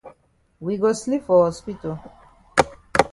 We go sleep for hospital.